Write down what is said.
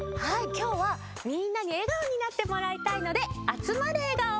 きょうはみんなにえがおになってもらいたいので「あつまれ！笑顔」をうたいます。